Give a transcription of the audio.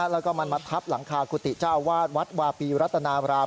แล้วก็มันมาทับหลังคากุฏิเจ้าอาวาสวัดวาปีรัตนาราม